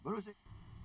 baru saya ngerti